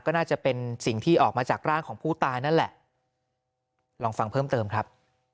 ก็น่าจะเป็นสิ่งที่ออกมาจากร่างของผู้ตายนั่นแหละลองฟังเพิ่มเติมครับ